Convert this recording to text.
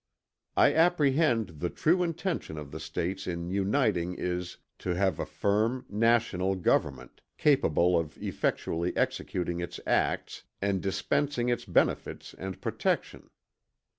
"I apprehend the true intention of the States in uniting is, to have a firm, national government, capable of effectually executing its acts, and dispensing its benefits and protection.